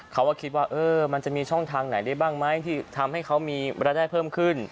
เขาก็คิดว่ามันจะมีช่องทางไหนได้บ้างไหมที่ทำให้เขามีรายได้เพิ่มขึ้น